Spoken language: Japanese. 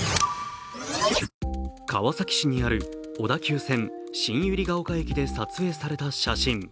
川崎市にある小田急線新百合ヶ丘駅で撮影された写真。